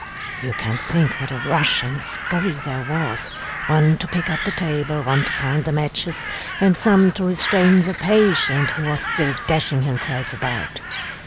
You can think what a rush and a scurry there was, one to pick up the table, one to find the matches, and some to restrain the patient who was still dashing himself about.